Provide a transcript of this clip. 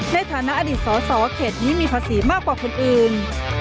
ในฐานะอดีตสอสอเขตนี้มีภาษีมากกว่าคนอื่น